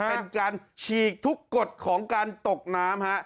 เป็นการฉีกทุกกฎของการตกน้ำฮะ